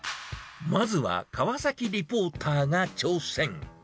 まずは川崎リポーターが挑戦。